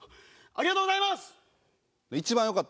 ありがとうございます。